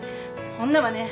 女はね